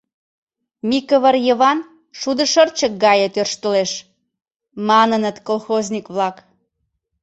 — Микывыр Йыван шудышырчык гае тӧрштылеш, — маныныт колхозник-влак.